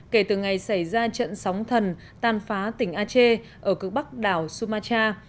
kể từ ngày xảy ra trận sóng thần tan phá tỉnh aceh ở cước bắc đảo sumatra